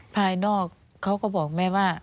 ภายนอกเขาก็บอกแม่ว่า